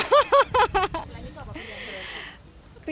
selain itu apa pilihan terbaik